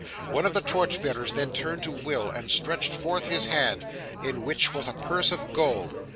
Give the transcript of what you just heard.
One of the torch bearers then turned to Will, and stretched forth his hand, in which was a purse of gold.